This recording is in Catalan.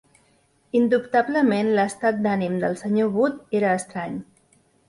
Indubtablement, l'estat d'ànim del Sr. Wood era estrany.